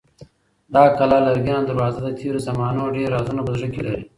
د کلا لرګینه دروازه د تېرو زمانو ډېر رازونه په زړه کې لري.